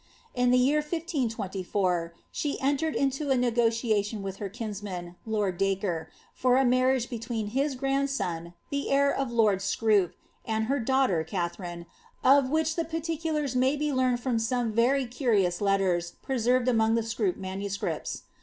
In the year 1524, she entered into a negotiation with ber kinsman, lord Dacre, for a marriage between his grandson, the heir of lord Scroop, and her daughter Katharine, of which the particulars Biy be learned from some very curious letters preserved among the Seioop MSS.